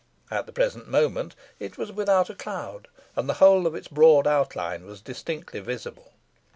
At the present moment it was without a cloud, and the whole of its broad outline was distinctly visible.